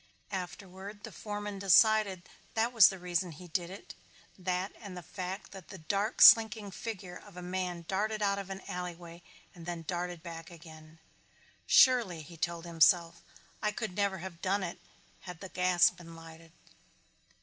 Afterward, the foreman decided that was the reason he did it, that and the fact that the dark slinking figure of a man darted out of an alleyway and then darted back again. "Surely," he told himself, "I could never have done it had the gas been lighted."